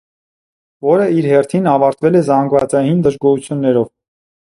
Որը, իր հերթին, ավարտվել է զանգվածային դժգոհություններով։